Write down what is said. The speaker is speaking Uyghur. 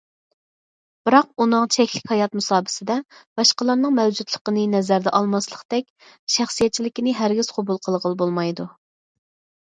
بىراق ئۇنىڭ چەكلىك ھايات مۇساپىسىدە باشقىلارنىڭ مەۋجۇتلۇقىنى نەزەردە ئالماسلىقتەك شەخسىيەتچىلىكىنى ھەرگىز قوبۇل قىلغىلى بولمايدۇ.